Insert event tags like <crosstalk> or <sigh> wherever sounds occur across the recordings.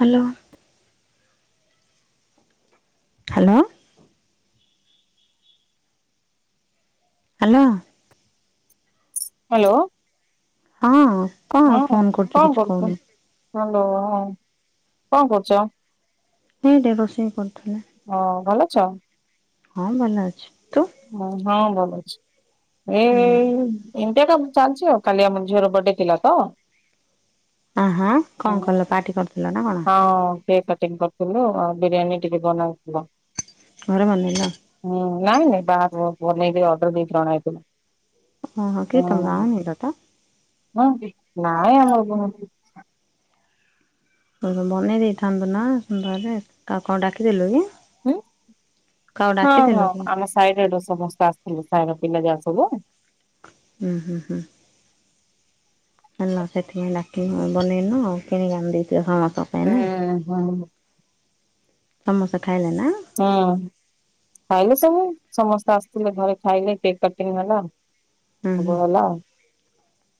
Hello. Hello. Hello. Hello. ହଁ କଣ ହଁ ଫୋନ୍ କରୁଛୁ କଣ କିଛି କରୁଛ? କହୁନୁ। ହ୍ୟାଲୋ ହଁ କଣ କରୁଛ? ସେଇଟି ରୋଷେଇ କରୁଥିଲି। ହଁ ଭଲଛ। ହଁ ଭଲ ଅଛି। ତୁ ହ ହଁ ଭଲଛି। ଏ ଏମିତିଆଟା ମୁଁ ଚାଲିଛି ଆଉ। କାଲି ଆମ ଝିଅର ବଡେ ଥିଲା ତ। ଆ ହାଁ କଣ କଲ ପାର୍ଟି କରିଥିଲ ନା କଣ? ହଁ। କେକେ କଟିଂ କରିଥିଲୁ। ଆଉ ବିରିୟାନୀ ଟିକେ ବନେଇଥିଲୁ। ଘରେ ମନେ ନା। ହୁଁ ନାଇଁ ନାଇଁ ବାହାର ବ ବନେଇବି ଅର୍ଡର ଦେଇକି ଅନେଇଲି। ହଁ ହଁ କିତ ନାଁ ଇଦଟା। ହଁ କି ନାଇଁ ଆମର କଣ ଅତି? ତମେ ବନେଇ ଦେଇଥାନ୍ତ ନା ବାହାରେ ଆଉ କଣ ଡାକିଦେଲୁନି। ହୁଁ ହଁ ହଁ କି ଆମେ ସାଇରେ ଦୋଷ ସମସ୍ତେ ଆସିଥିଲୁ ସାହିର ପିଲା ଯାକ ସବୁ। ହୁଁ ହୁଁ ହୁଁ। ହେଲା ସେଥିପାଇଁ ଡାକିନ ବନେଇନ ଆଉ କିଣିକି ଆଣି ଦେଇଚ ହଁ ତ ହୁଁ। ସମସ୍ତେ ଖାଇଲେ ନା। ହୁଁ। ଖାଇଲେ ସବୁ ସମସ୍ତେ ଆସିଥିଲେ ଘରେ ଖାଇଲେ କେକ୍ କଟିଙ୍ଗ ହେଲା। ହୁଁ ସବୁ ହୁଁ ହେଲା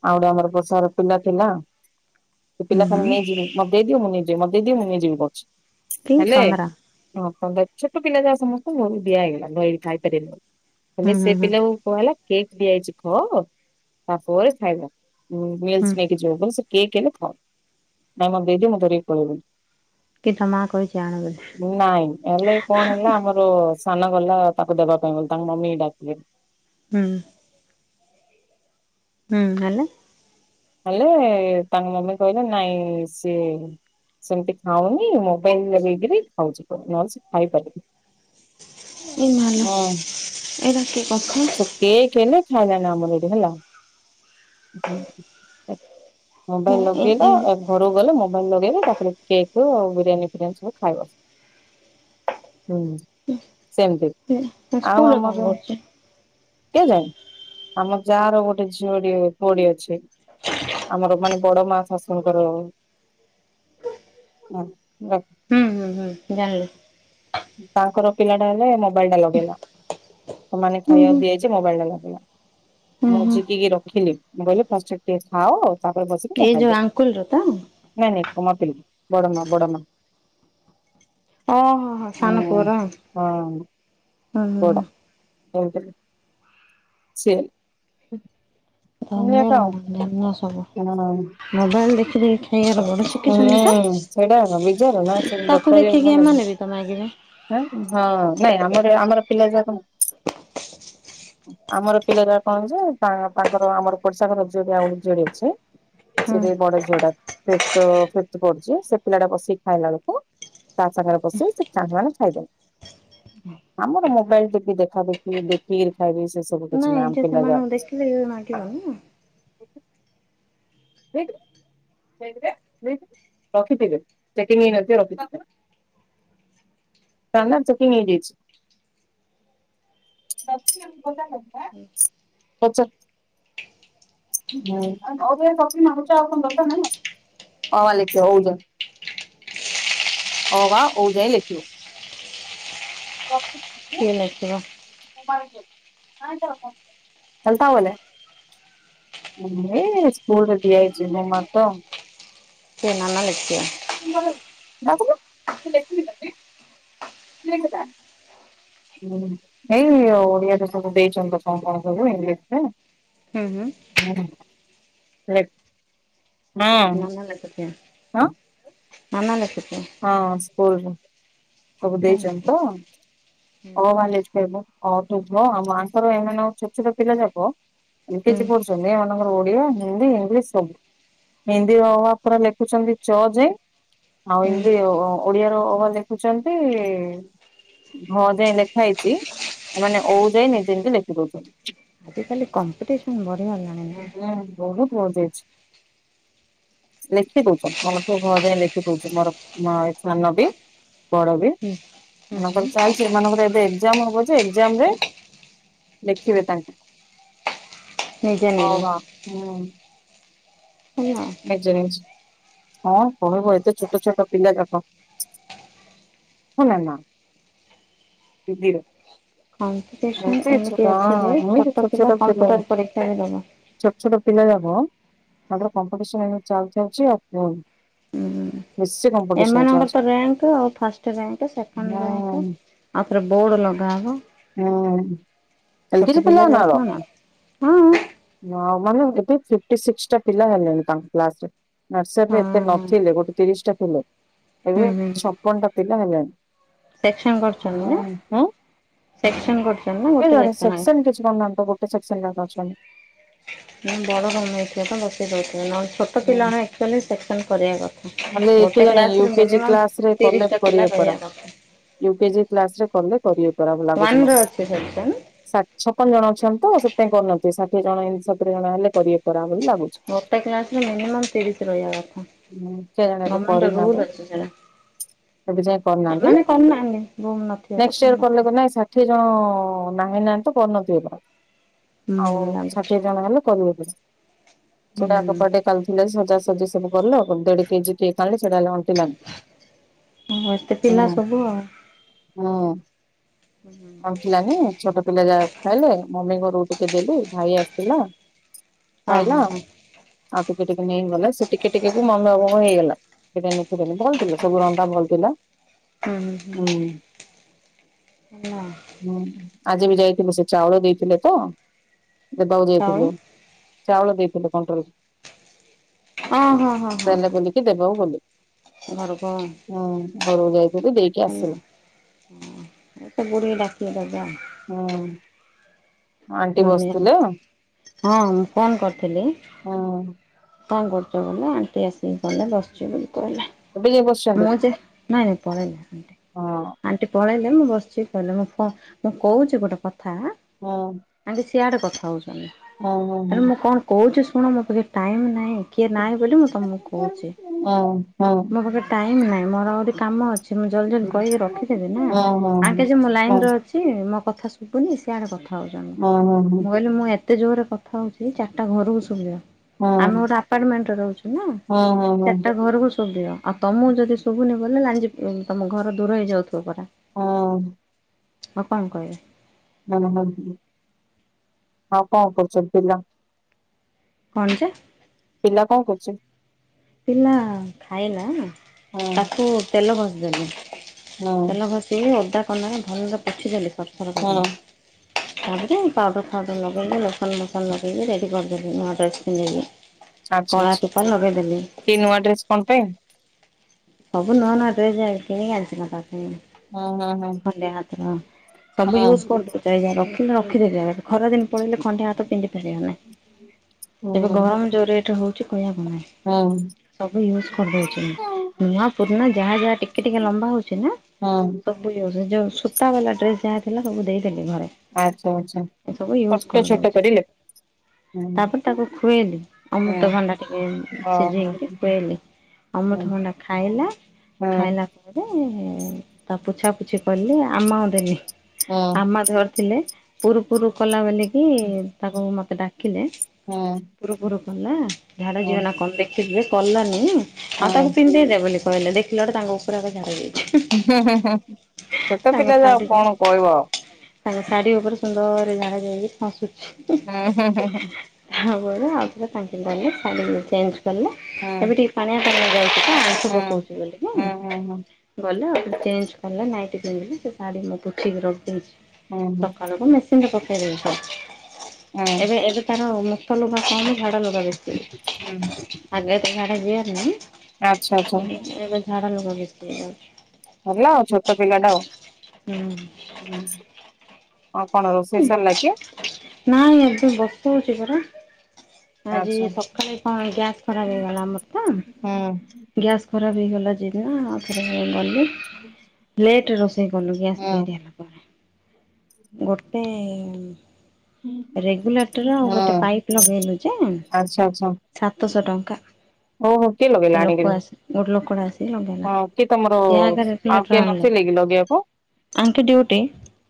ଆଉ ଗୋଟେ ଆମର ବଷାର ପିଲା ଥିଲା। ହୁଁ ପିଲା ଖାନେ ହୁଁ ନେଇଯିବି ମତେ ଦେଇଦିଅ ମୁଁ ନେଇଯିବି ମତେ ଦେଇଦିଅ ମୁଁ ନେଇଯିବି କରହୁଛି କି ହେଲେ ତମର ହ। ଛୋଟ ପିଲା ଯାହା ସମସ୍ତଙ୍କୁ ଦିଆ ହେଇଗଲା ନ ଏ ଖାଇପାରିନି ହୁଁ ହେଲେ ସେ ହୁଁ ହୁଁ ପିଲାକୁ କ ହେଲା କେକ୍ ଦିଆଯାଇଛି କ ତାପରେ ଖାଇବ ହୁଁ ମିଲସି ନେଇକି ଜି ଯୋଉ ବୋଲି ସେ କେକ୍ ହେଲେ ଭ ନାଇଁ ମତେ ଦେଇଦିଅ ମୁଁ ଧରିକି ପଳେଇବି। କି ତା ମା କହିଛି ଆଣ କଥା? ନାଇଁ ହେଲେ କଣ ହେଲା ଆମର ସାନ ଗଲା ତାକୁ ଦେବା ପାଇଁ ବୋଲି ତାଙ୍କ ମମି ଡାକିଲେ। ହୁଁ। ହୁଁ ହେଲେ ହେଲେ ତାଙ୍କ ମମି କହିଲେ ନାଇଁ ସିଏ ସେମିତି ଖାଉନି ମୋବାଇଲ ଲଗେଇକିରି ଖାଉଚି ନହେଲେ ସେ ଖାଇପାରିବେନି। ଏ ମାଲୋ ହୁଁ ଏଇଟା କି କଥା ସେ କେଏ ହେନେ ଖାଇନା ନା ଆମନାଁ ଏଠି ହେଲା। ମୋବାଇଲ ଲଗେଇଲା ଏ ଘରକୁ ଗଲେ ମୋବାଇଲ ଲଗେଇବି ତାପରେ କେକ୍ ଆଉ ବିରିୟାନୀ ଫିରିୟାନୀ ସବୁ ଖାଇବ। ହୁଁ ସେମିତି ଆଉ ସ୍କୁଲରେ କଣ ଆମର କରୁଛି? କିଏ ଯାଏ ଆମ ଯା ର ଗୋଟେ ଝିଅ ଟିଏ ପୁଅ ଟିଏ ଅଛି। ଆମର ମାନେ ବଡ ମା ଶାଶୁଙ୍କର ହୁଁ ହୁଁ ଜାଣିଲି। ତାଙ୍କର ପିଲା ଟା ହେଲେ ମୋବାଇଲ ଟା ଲଗେଇଲା ସେମାନେ ହୁଁ ଖାଇବା ହୁଁ ଭେଜ ମୋବାଇଲ ଟା ଲାଗିଲା ହୁଁ ମୁଁ ହୁଁ। ଜିଡିକି ରଖିଲି ମୁ କିହିଲି ଫାଷ୍ଟେ ଟିକେ ଖାଅ। ତାପରେ ବସିକି ଏଇ ମୋବାଇଲ ଯୋଉ ଆଙ୍କୁଲର ତ? ଦେଖ ନାଇଁ ନାଇଁ କମାପିଲି ବଡ ମା ବଡ ମା। ଓହୋ ହଁ ହୁଁ ସାନପୁଅର ହଁ ଉଁ ହୁଁ ବଡ ହୁଁ। <unintelligible> ସେ। ଏଇଆତ ଆଉ। ଧନ୍ୟଲୋମା ଧନ୍ୟସବୁ ହଁ ମୋବାଇଲ ଦେଖି ଦେଖି ଖାଇବାର ବଡ ଶିଖିଛନ୍ତି ତ ହୁଁ ସେଇଟା ବିଜାର ନା ସେ ତାକୁ ଦେଖିକି ଏମାନେ ବି ତ ମାଗିବେ। ହ୍ ହଁ ନାଇଁ ଆମର ଏ ଆମର ପିଲା ଯାକ ଆମର ପିଲାଯାକ କଣ ଯେ ତା ତାଙ୍କର ଆମର ପଡିଶା ଘର ଝିଅ ବି ଆଉ ଗୋଟେ ଝିଅଟେ ଅଛି। ହୁଁ। ସେଟିକେ ବଡ ଝିଅ ଟା ଫିପତ ଫିପଥି ପଢୁଚି ସେ ପିଲାଟା ବସିକି ଖାଇଲା ବେଳକୁ ତା ସାଙ୍ଗରେ ବସିକି ସେ ଚାଙ୍ଗାଳ ଖାଇବେ ଆମର ମୋବାଇଲ ଟିଭି ଦେଖା ଦେଖି ଦେଖିକିରି ଖାଇବି ସେ ସବୁ ଡି ନିଜେ ସେମାନଙ୍କୁ ଦେଖିଲେ ଇଏ ମାଗିବନି ନାଁ। <inaudible> <unintelligible> ନା ନା ଚେକିଂ ହେଇଯାଇଚି। <inaudible> ହୁଁ। ଅ ଆ ଲେଖିବ ଔ ଯାଏ ଅ ଆ ଔ ଯାଏ ଲେଖିବ ରଖ। <inaudible> <unintelligible> ଲାଗିବ। <inaudible> <unintelligible> ଚାଲତାବଲେ। <unintelligible> <inaudible> ମୁଁ ସ୍କୁଲରେ ଦିଆ ହେଇଛି ମୋ ମତ। ସେ ନା ନା ଲେଖିବା। ଲେଖିବି। <unintelligible> ଠିକ୍ ତା। <unintelligible> ଏଇ ଓଡିଆରେ ସବୁ ଦେଇଛନ୍ତି କଣ କଣ ସବୁ ଇଂଲିଶର। ହୁଁ ହୁଁ। ହୁଁ ର <unintelligible> ନାନ ହଁ ଲେଖିଥିବା ନାନ ଲେଖିତ ହଁ ସ୍କୁଲ ସବୁ ହେଲା ଦେଇଛନ୍ତି ତ। <unintelligible> ହୁଁ। ମାଆଙ୍କର ଏମାନେ ଆଉ ଛୋଟ ଛୋଟ ପିଲା ଯାକ ହୁଁ <unintelligible> ସୁନେ ଏମାନଙ୍କର ଓଡିଆ ହିନ୍ଦୀ ଇଂଲିଶ ସବୁ ହିନ୍ଦୀର ଅ, ଆ ପରା ଲେଖୁଛନ୍ତି ଚ ଯାଏ ଆଉ ହୁଁ ହିନ୍ଦୀ, ଓଡିଆର ଅ, ଆ ଲେଖୁଛନ୍ତି ହଁ ଯାଏ ଲେଖା ହେଇଛି ଏମାନେ ଓଉ ଯାଇ ନିଜେ ନିଜେ ଲେଖି ଦଉଛନ୍ତି। ଆଜିକାଲି କମ୍ପିଟିସନ୍ ବଢ଼ିଗଲାଣି ହୁଁ ନା। ବହୁତ ବଢ଼ୀ ଯାଇଛି ଲେଖି ଦଉଛ <unintelligible> ଘ ଯାଏ ଲେଖି ଦଉଛି ମୋର ଏ ସାନ ବି ବଡ ବି ହୁଁ। ହୁଁ। ଏମାନଙ୍କର ଚାଲିଚି ଏମାନଙ୍କର ଏବେ ଏଜ୍ଜାମ ଯେ ଏକଜାମରେ ଲେଖିବେ ତାଙ୍କ ନିଜେ ଅ ନିଜେ ବା ହୁଁ। <inaudible> ଜାଣିଛି। ହଁ କଣ କହିବ ଏତେ ଛୋଟ ଛୋଟ ପିଲା ଯାକ। ହ ନା ନା ଧିରେ <unintelligible> କମ୍ପିଟିସନ୍ ଏମିତି ଅଛି ଯେ ଛୋଟ ପିଲା କମ୍ପୁଟର ପରୀକ୍ଷାରେ ଦବ। ଛୋଟ ଛୋଟ ପିଲା ଯାକ, ତାର କମ୍ପିଟିସନ ଏ ଚାଲିଛି ଆଉ ହୁଁ ନିଶ୍ଚିଦ <unintelligible> ଏମାନଙ୍କର ତ ରେଙ୍କ ଆଉ ଫାସ୍ ରେଙ୍କ ସେକେଣ୍ଡ ରେଙ୍କ ହଁ ଆଉ ପ୍ରବୋର୍ଡ଼ ଲଗାବ। ହୁଁ। ଛୋଟ ପିଲା ଯାହା କଣ ହଁ ଆଉ ମାନେ କେତେ ଫିପ୍ଟିସିକ୍ସ ଟା ପିଲା ହେଲେଣି ତାଙ୍କ କ୍ଲାସରେ। ନର୍ସରୀରେ ହଁ ଏତେ ନଥିଲେ ଗୋଟେ ତିରିଶ ଟା ଥିଲେ ହୁଁ ଏବେ ହୁଁ ଛପନ ଟା ଥିଲା ହେଲାଣି। ସେକ୍ସନ କରୁଛନ୍ତି ନା? ସେକ୍ସନ କରୁଛନ୍ତି ନା କେ ଗୋଟେ ଜଣେ ସେକ୍ସନ କିଛି କରନାତି ତ ଗୋଟେ ସେକ୍ସନ ଅଛନ୍ତି। ବଡ <unintelligible> ଛୋଟ ପିଲା ଆକଚୁଲି ସେକ୍ସନ କରିବା କ ମାନେ ଏକେ ଜାଣେ ୟୁକେଜି କ୍ଲାସ ରେ କଲେକ୍ଟ ତିରିଶଟା ପିଲା କରିବେ ପରା। ରହିବା କଥା। ୟୁକେଜି କ୍ଲାସ ରେ କଲେ କରିଵେ ପରା ଲାଗୁଛି ୱାନରେ ଅଛି ସେକ୍ସନ୍ ମତେ। ଛପନ ଜଣ ଅଛନ୍ତି ତ ସେଥିପାଇଁ କରିନହାନ୍ତି ଷଠିଏଣ ଏତି ସତରୀ ଜଣ ହେଲେ କରିିବେ। କରିଲ <inaudible> ଗୋଟେ କ୍ଲାସ ରେ ମିନିମମ୍ ତିରିଶ ରହିବା କଥା। ହୁଁ, କେଜାଣି ଏବେ ଗମେଣ୍ଟ କରିନାହାନ୍ତି ରୁଲ ଅଛି ସେଟା। ଏବେ ଯାଇ କରିନାହାନ୍ତି। ଏମାନେ କମ ନାହାନ୍ତି ବୁମ ନଥିବ ନେକ୍ସଟ କଥମ ଇୟର କଲେ ନଥିବ। କଣ ନାଇଁ ଷାଠିଏ ଜଣ ନାହିଁ ନାହାନ୍ତ ବଣତିଏ ଆଉ ହୁଁ ଲାଗୁଛି ଷାଠିଏ ଜଣ ହେଲେ। ସେଟା ଆଗ ହୁଁ କଟେ କାଲୁଥିଲା ସଜାସଜି ସବୁ କଲୁ ଆଉଡି କେଜିି କେ କାଲି ସେଲା ଅଣ୍ଟିଲାନି ହଁ ଏତେ ହୁଁ ପିଲା ସବୁ ଆଉ ହୁଁ ଆଣ୍ଟିଲାନୀ। ଚୋଟ ପିଲା ଯାହା ଖାଇଲେ ମମିଙ୍କ ରୁଟି ଟିକେ ଦେଲି ଭାଇ ଆସିଥିଲା ହଁ ଖାଇଲ ହଁ ହଁ ଆଉ ଟିକେ ଟିକେ ନେଇଗଲ ସେ ଟିକେ ଟିକେ କୁ ମଙ୍ଗଳ ବାର ହଁ ହେଇଗଲା ତୁ କାଇଁ ମତେ ଦଉନଥିଲୁ ସବୁ ଅଣ୍ଡା ଭଲଥିଲା। ହୁଁ ହୁଁ ହୁଁ ହୁଁ ହୁଁ ଆଜି ବି ଯାଇଥିଲୁ ସେ ଚାଉଳ ଦେଇଥିଲେ ତ ଦବାକୁ ଆଉ ଯାଇଥିଲୁ। ଚାଉଳ ଦେଇଥିଲେ କଣ୍ଟ୍ରୋଲରୁ। ହଁ ହଁ ହଁ ହଁ ହଁ। ବୁଲିକି ଦେବାକୁ ଗଲି ଘରକୁ ହୁଁ ଘରକୁ ଯାଇଥିଲି ଦେଇକି ଆସିଲି। ହୁଁ ଏତେ ବୁଢ଼ୀ ଡାକି ଦବ ଆଉ। ହୁଁ। ଆଣ୍ଟି ମାନେ ମୁଁ ବସିଥିଲେ ହଁ ମୁଁ ଫୋନ୍ କରିଥିଲି ହୁଁ କଣ କରୁଛ ବୋଲେ? ସେ ଆସିକି ଗଲା ବସିଛୁ ବୋଲି କହିଲା। ଏବେ ଯାଇ ବସିଛନ୍ତି। ହଁ ଯେ ନାଇଁ ନାଇଁ ତମେ ନୁହଁ ମୁଁ ହଁ ଗୋଟେ ଆଣ୍ଟି ପଳେଇଲେ ମୁଁ ବସିଛି କହିଲେ ମୁଁ କ ମୁଁ କହୁଛି ଗୋଟେ କଥା ଆଁ। ହୁଁ। ତାଙ୍କେ ସିଆଡ଼େ କଥା ହଉଛନ୍ତି ହୁଁ ହୁଁ ଆରେ ମୁଁ କଣ କହୁଛି ଶୁଣ ମୋ ପାଖେ ଟାଇମ୍ ନାହିଁ। କିଏ ନାହିଁ ବୋଲି ମୁଁ ତମକୁ ହୁଁ କହୁଛି ହୁଁ ମୋ ପାଖରେ ଟାଇମ୍ ନାହିଁ ମୋର ଆହୁରି କାମ ଅଛି। ମୁଁ ଜଲ୍ଦି ଜଲ୍ଦି ହୁଁ। କହିକି ରଖିଦେବି ନା ହଁ ହଁ ହଁ। ଆଣ୍ଟି ଯେ ମୁଁ ଲାଇନ୍ ରେ ଅଛି ଛି ମୋ କଥା ଶୁଭୁନି ସିଆଡେ କଥା ହଉଛନ୍ତି। ହଁ ହଁ। ମୁଁ କହିଲି ମୁଁ ଏତେ ଜୋରେ କଥା ହଉଛି ଚାରିଟା ଘରକୁ ଶୁଭିବ। ଆମେ ଗୋଟେ ଆପାର୍ଟମେଣ୍ଟରେ ରହୁଛୁ ନା ହଁ ହଁ ହଁ ହଁ ହଁ ହଁ ହଁ ହଁ। ଚାରିଟା ଘରକୁ ଶୁଭିବ। ଆଉ ତମକୁ ଯଦି ଶୁଭୁନି ଭଲରେ ଜାଣିଛି ତମ ଘର ଦୂର ହେଇଯାଉଥିବ ପରା। ହଁ। ଆଉ କଣ କହିବି? ମଲେ ମରିଯିବି। ଆଉ କଣ କରୁଛନ୍ତି ପିଲା? କଣ ଯେ? ପିଲା କଣ କରୁଛନ୍ତି? ପିଲା ଖାଇଲା ହୁଁ ହୁଁ ତାକୁ ତେଲ ଘଷିଦେଲି ତେଲ ଘଷି ଦେଲି ଓଦା କନାରେ ଭଲରେ ପୋଛି ଦେଲି ସଫା ବି ହୁଁ କରିଦେଲି। ଆଡ଼େ ସିଏ ପାଉଡ଼ର୍ ଫାଉଡ଼ର୍ ଲଗେଇଦେଲେ ଲୋସନ୍ ଫୋସନ୍ ଲଗେଇକି ରେଡ଼ି କରିଦେଲି ନୂଆ ଡ୍ରେସ୍ ପିନ୍ଧେଇ କି। ଆଛା ଆଛା ଏ ନୂଆ ଡ୍ରେସ୍ ତମ ପାଇଁ? ସବୁ ନୂଆ ନୂଆ ଡ୍ରେସ୍ ଯାଇ କିଣିକି ଆଣିଛି ମୋ ପାଇଁ ହୁଁ। ଖଣ୍ଡେ ହାତରେ ହଁ ସବୁ ହୁଁ ୟୁଜ୍ କରିଦେଉଛି ଯାହା ଯାହା ରଖିନୁ ରଖି ଦେ ଯା ବାପା। ଖରାଦିନ ପଳେଇଲେ ଖଣ୍ଡିଆ ହାତ ପିନ୍ଧି ପାରିବିନି ଏବେ ହୁଁ ଗରମ ଯୋଉ ରେଟ୍ ରେ ହଉ ଛି କୁହନ୍ତୁ ନାହିଁ ହୁଁ ହୁଁ। ସବୁ ୟୁଜ୍ ହଁ କରିଦେଉଛି ମୁଁ। ନୂଆ ପୁରୁଣା ଯାହା ଯାହା ଟିକେ ଟିକେ ଲମ୍ବା ହଉଛି ନା‌ ସ ସବୁ ଇଏ ହୁଉଛି ଯୋଉ ସୂତାବାଲା ଡ୍ରେସ୍ ଯାହା ଥିଲା ସବୁ ଦେଇଥିଲି ଘରେ। ଆଛା ଆଛା ଏ ସବୁ ତ ୟୁଜ୍ ସିଏ ଛୋଟ କରିଦଉଚି। କରିଲେ? ହୁଁ ତାପରେ ତାକୁ ଖୁଏଇଲି ଅମୃତଭଣ୍ଡା ଟିକେ ଓହୋ ସିଝେଇକିରି ଖୁଆଇଲି ହୁଁ ଅମୃତଭଣ୍ଡା ଖାଇଲା ଖାଇଲା ତାପରେ ମୁଁ ତାକୁ ପୋଛାପୁଛି କଲି ଆମାକୁ ଦେଲି। ଆମା ଧରିଥିଲେ ପୁରୁ ପୁରୁ କଲା ବୋଲିକିି ତାପରେ ମତେ ଡାକିଲେ। ହୁଁ। ପୁରୁ ପୁରୁ କଲା ଝାଡା ଯିବ ନା କଣ ଦେଖିଦିଏ କଲାନି ଆଉ ତାକୁ ଦେଇ ଦେବେ ବୋଲି କହିଲେ ଦେଖିଲ ତ ତାଙ୍କ ଉପର ଘରେ ଝାଡା ଯାଇଛି। ହୁଁ ହୁଁ ହୁଁ ହୁଁ ଛୋଟ ତାଙ୍କ ପିଲାକୁ ଆଉ ଶାଢୀରେ କଣ କହିବ। ତାଙ୍କ ଶାଢ଼ୀ ଉପରେ ସୁନ୍ଦରରେ ଝାଡା ଯାଇକି ହସୁଛି। ହଁ ହଁ ହୁଁ ହୁଁ। <unintelligible> ଆଉଥରେ <unintelligible> ଚେଞ୍ଜ କଲେ ଏବେ ଟିକେ ପାଣିଆ ପାଣି ଯାଉଛି। <inaudible> ପକଉଛି ବୋଲି ନାଇଁ। ଆଚ୍ଛା ଗଲେ ଆଉ ଥରେ ଚେଞ୍ଜ କଲେ ନାଇଟି ପିନ୍ଧିଲି ସେ ଶାଢ଼ୀ ମୁଁ ପୁଠିକି ରଖିଦେଇଛି। ସକାଳୁକୁ ମେସିନ୍ ରେ ପକେଇ ଦେବି ସବୁ ଏବେ ଏବେ ତାର ସଫା ଲୁଗା କମ୍ ଝାଡ଼ ଲଗା ବେଶୀ ଆଗେ ତ ଝାଡ଼ା ଯିବାର ନାହିଁ। ଆଚ୍ଛା ଆଚ୍ଛା। ଏବେ ଝାଡ଼ା ଲଗା ବେଶୀ ହେଇଯାଉଛି। ହେଲା ଆଉ ଛୋଟ ପିଲା ଟା ଆଉ। ହୁଁ ଆଉ କଣ ରୋଷେଇ ସରିଲା କି? ନାଇଁ ଏବେ ବସଉଚି ପରା। ଆଜି ଆଚ୍ଛା ହୁଁ ସକାଳେ କଣ ଗ୍ୟାସ୍ ଖରାପ ହେଇଗଲା ଆମର ତ ଗ୍ୟାସ୍ ଖରାପ ହେଇଗଲା ଯେ <unintelligible> ଆଉଥରେ ଗଲି ଲେଟ୍ ରୋଷେଇ କଲୁ ଗ୍ୟାସ୍ ହୁଁ ତିଆରି ହେଲା। ପରେ ଗୋଟେ ରେଗୁଲେଟର ଆଉ ହୁଁ ଗୋଟେ ପାଇପ୍ ଲଗେଇଲୁ ଯେ ଆଚ୍ଛା ଆଚ୍ଛା। ସାତଶ ଟଙ୍କା। ଓହୋ କିଏ ଲଗେଇଲା ସେ ଆଣିକିରି? ଲୋକ ଆସେ ଗୋଟେ ଲୋକଟେ ଆସେ। ସେ ଲଗେଇଲା ହଁ କି ତମର ସେ ଆଗରେ ଆଉ ରେଗୁଲେଟର କିଏ ଆଣିଲେ। ନଥିଲେ କି ଲଗେଇବାକୁ ଆଙ୍କେ ଡିଉଟି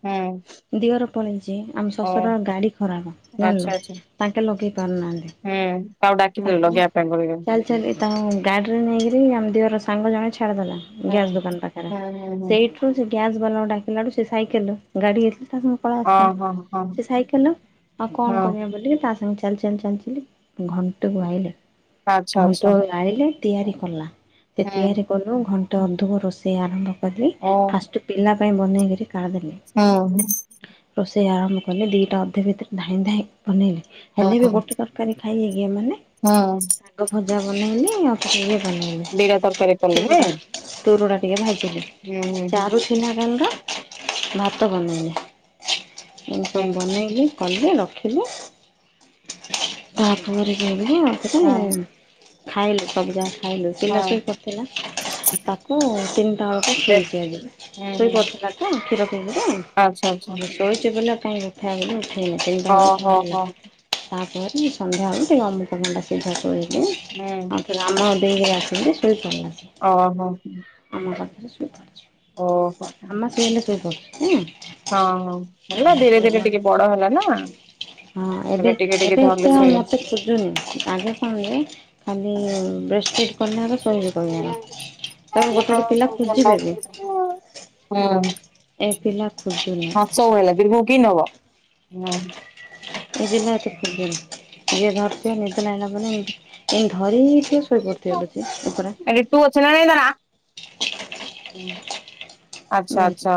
ହୁଁ ଦିଅର ପଳେଇଚି ଆମେ ଓ ଶଶୁର ଗାଡି ଜାଣିଲୁ ଆଚ୍ଛା ଆଚ୍ଛା। ତାଙ୍କେ ଲଗେଇ ପାରୁନାହାନ୍ତି ହୁଁ କାହାକୁ ଡାକିଥିଲେ ତାପରେ ଲଗେଇବା ପାଇଁ କରିକି ହୁଁ ଚାଲି ଚାଲି ତାଙ୍କ ଗାଡ଼ିରେ ନେଇକିରି ଆମ ଦିଅର ସାଙ୍ଗ ଜଣେ ଛାଡ଼ିଦେଲା। ଗ୍ୟାସ୍ ଦୋକାନ ପାଖରେ ହୁଁ ହୁଁ ହୁଁ ସେଇଠୁରୁ ସେ ଗ୍ୟାସ୍ ବାଲାକୁ ଡାକିଲା ଠୁ ସେ ସାଇକେଲ ରୁ ଗାଡି <unintelligible> କାଳେ ହଁ ଆସିଥାନ୍ତେ ହଁ ହଁ। ସେ ସାଇକେଲର କଣ ହଁ କରିବା ବୋଲି ତା ସାଙ୍ଗେ ଚାଲି ଚାଲି ଚାଲି ଚାଲି ଘଣ୍ଟେ ଗୁଆଇଲେ ଆଚ୍ଛା ଆଚ୍ଛା ଘଣ୍ଟେ ଭଳିଆ ଗାଳିଲେ ତିଆରି କଲା ସେ ହୁଁ। ତିଆରି କଲୁ ଘଣ୍ଟେ ଅଧିକ ରୋଷେଇ ଆରମ୍ଭ କଲି ଓ ଫାଷ୍ଟ ପିଲା ପାଇଁ ବନେଇ କରି କାଢ଼ିଦେଲି। ହଁ। ରୋଷେଇ ଆରମ୍ଭ କଲେ ଦିଇଟା ଅଧେ ଭିତରେ ଧାଇଁ ଧାଇଁ ବନେଇଲି ହୁଁ ହେଲେ ବି ଗୋଟେ ତରକାରୀ ଖାଇ ବେ କି ଏମାନେ ହୁଁ ଶାଗ ଭଜା ବନେଇଲି ଆଉ। ଯିଏ ବନେଇବେ ଦିଟା ତରକାରୀ କଲେ ତୁରୁଡ଼ା ନାଇଁ। ତୁରୁଡ଼ା ଟିକେ ଭାଜିଲି ହୁଁ ହୁଁ ହୁଁ ଚାରୁ ପିନାରଙ୍ଗ ଭାତ ବନେଇନି ଏସବୁ ହୁଁ ବନେଇଲି। କଲେ ରଖିଲେ ତାପରେ ଯାଇକିରି ଆଉ ହୁଁ <inaudible> ଖାଇଲେ କବଜା ଖାଇଲୁ ପିଲା ହୁଁ ସବୁ କରିଥିଲା ତାକୁ ତିନିଟା ବେଳକୁ ଦେ ହୁଁ <inaudible> ହୁଁ ଶୋଇପଡ଼ିଥିଲା ତ କ୍ଷୀର ପିଇନି ତ। ଆଚ୍ଛା ଆଚ୍ଛା। ଶୋଇଚି ପିଲା କାଇଁ ଉଠା ହେଇନି ଉଠେଇନି ତିନ ଟା ବେଳୁକୁ ଓହୋ ଖାଇଲା। ହୋ। ତାପରେ ସନ୍ଧ୍ୟାବେଳୁ ଟିକେ ଅମୃତ ଭଣ୍ଡା ସିଝା କରିଦିଏ ହୁଁ ଆଉ <inaudible> ଶୋଇପଡ଼ିଲା ସିଏ। ଓହୋ। ଆମ ପାଖରେ ଶୋଇପଡିଛି। ଓହୋ। ଆମ ଶୋଇଲେ ଶୋଇପଡୁଚି <inaudible> ହଁ ହଁ ହେଲା ଧୀରେ ଧୀରେ ଟିକେ ବଡ ହେଲାନି ହଁ ଏବେ ଏବେ ଧରିଲେ ଏତେ ଆଉ ଶୋଇବେ। ମତେ ଖୋଜୁନି ଆଗେ <inaudible> ଖାଲି ବେଡସିଡି। କନ୍ୟାରା ଶୋଇବେ ଏକବାର <unintelligible> ଗୋଟେ ଗୋଟ ପିଲା ଖୋଜିିବେ ବି। ହୁଁ। ଏ ପିଲା ଖୋଜୁନି। ସଉ ହେଲା ବିର୍ଭୁ କି ନବ ହୁଁ। ଏ ଦିନ ଏତେ ଖୋଜୁନି ଯିଏ ଧରିଥିବ ନିଦ ଲାଗିଲା ମାନେ ଏଇ ଧରି ଥିଏ ଶୋଇ ପଡ଼ିଥିବେ ସେ ଲୋକଟା <unintelligible> ତୁ ଅଚନହି ତରା <inaudible> ହୁଁ ଆଚ୍ଛା ହୁଁ ଆଚ୍ଛା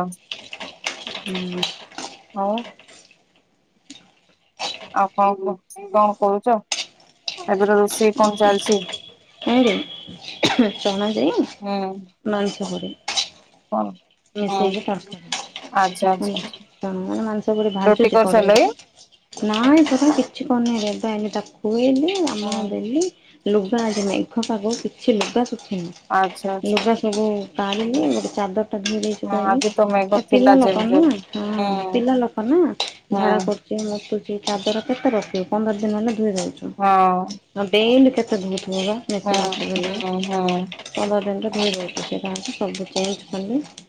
ହୁଁ ଆଉ କଣ କଣ କହୁଛ ଏବେରେ ରୋଷେଇ କଣ ଚାଲିଛି? ଏଇ ରେ <unintelligible> ଚଣା ଯାଇ <unintelligible> ହୁଁ ମାଂସ ପଡେ କଣ ମିଶେଇ <unintelligible> ହୁଁ। ଦରକାର ଆଚ୍ଛା <unintelligible> ଆଚ୍ଛା ଣ ମାନେ ମାଂସ ପଡି ରୁଟି ଭାଜୁଛି <unintelligible> କରିସାରିଲଇ ପଢେଇ ନାଇଁ ପରା କିଛି କରନି ରେ <unintelligible> ଏମି ତାକୁ ଖୁଏଇଲି <unintelligible> ହୁଁ ଆମ ଦେଲି ଲୁଗା ମେଘ ପାଗ କିଛି ଲୁଗା ଶୁଖେଇନି ଆଛା ଆଛା। <unintelligible> ସବୁ ପାଣିରେ <unintelligible> ଗୋଟେ ଚାଦର <unintelligible> ଧ ଦେଇଛୁ <unintelligible> ହଁ କହିବି ଆଜି ତ ମେଘ ଆ ଥିଲା ପିଲା ଲୋକ ଯେମିତି ନା ହେଲେ ହଁ ହୁଁ ପିଲା ଲୋକ ନା ହୁଁ ହଁ। ଝାଡା କର ସେ ମୁତୁଛି ଚାଦର କେତେ ରଖିବୁ ପନ୍ଦର ଦିନ ହେଲେ ଧୁଇ ଦଉଛି ହଁ। <unintelligible> ହ ବେଣ୍ଡ କେତେ ଧୁତ ହଗ ନ୍ଚ <unintelligible> ହୁଁ ହୁଁ <unintelligible> ପନ୍ଦର ଦିନରେ ହେଇଯାଉଛି ସେ କଣ ସବୁ ଚଛନ୍ତି <unintelligible>